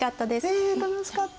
ねえ楽しかった。